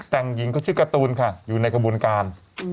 แต่งหญิงเขาชื่อการ์ตูนค่ะอยู่ในกระบวนการ